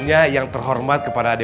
kalian masuk kamarnya kan ayo